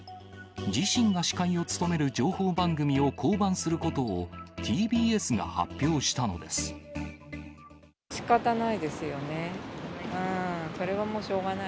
自身が司会を務める情報番組を降板することを、ＴＢＳが発表したしかたないですよね。